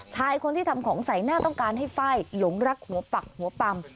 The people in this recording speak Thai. ชายคนที่ทำของใส่หน้าต้องการให้ไฟล์หลงรักหัวปักหัวปำ